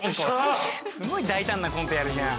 「すごい大胆なコントやるじゃん」